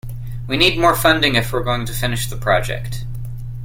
We need more funding if we're going to finish the project.